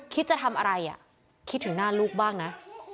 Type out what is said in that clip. คิดจะทำอะไรคิดถึงหน้าลูกบ้างนะ